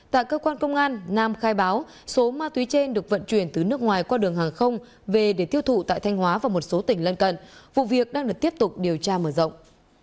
tại cơ quan công an nam khai báo số ma túy trên được vận chuyển từ nước ngoài qua đường hàng không về để tiêu thụ tại thanh hóa và một số tỉnh lân cận vụ việc đang được tiếp tục điều tra mở rộng